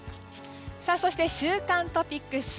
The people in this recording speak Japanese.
そして週間トピックス